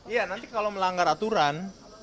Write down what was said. iya nanti kalau melanggar aturan